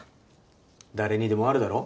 誰にでもあるだろ？